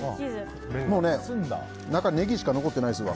中、ネギしか残ってないですわ。